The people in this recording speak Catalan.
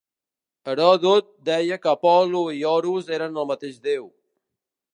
Heròdot deia que Apol·lo i Horus eren el mateix déu.